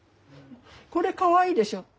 これかわいいでしょ。